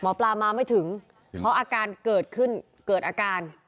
หมอปลามาไม่ถึงเพราะอาการเกิดขึ้นเกิดอาการ